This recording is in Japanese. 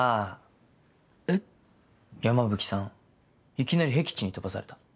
いきなりへき地に飛ばされた。